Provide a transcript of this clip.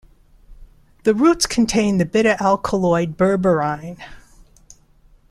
The roots contain the bitter alkaloid berberine.